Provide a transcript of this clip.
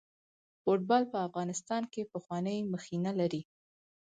فوټبال په افغانستان کې پخوانۍ مخینه لري.